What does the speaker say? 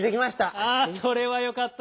あそれはよかったです。